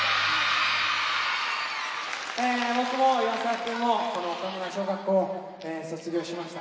僕も岩沢くんもこの岡村小学校を卒業しました。